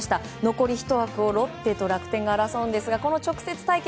残り１枠をロッテと楽天が争うんですがこの直接対決